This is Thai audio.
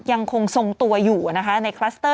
ยังคงทรงตัวอยู่นะคะในคลัสเตอร์